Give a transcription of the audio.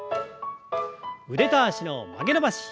腕と脚の曲げ伸ばし。